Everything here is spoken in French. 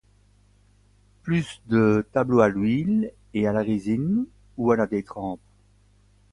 Plus de tableaux à l’huile et à la résine ou à la détrempe.